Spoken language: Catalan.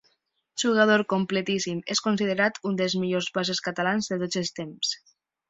Jugador completíssim, és considerat un dels millors bases catalans de tots els temps.